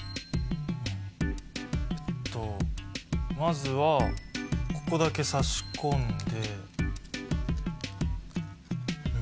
えっとまずはここだけ差し込んで。